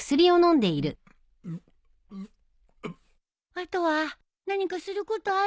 あとは何かすることある？